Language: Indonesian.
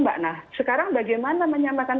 mbak nah sekarang bagaimana menyamakan